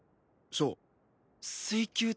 そう。